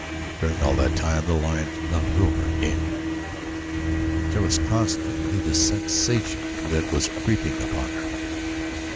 During all that time the lion did not roar again; but there was constantly the sensation that it was creeping upon her.